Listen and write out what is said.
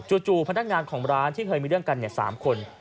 จู่พนักงานของร้านที่เคยมีเรื่องกัน๓คน